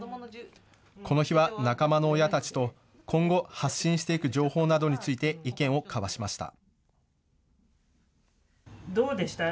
この日は仲間の親たちと今後、発信していく情報などについて意見を交わしました。